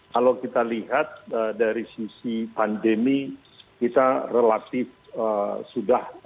kalau kita lihat dari sisi pandemi kita relatif sudah